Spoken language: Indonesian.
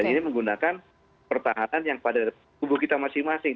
ini menggunakan pertahanan yang pada tubuh kita masing masing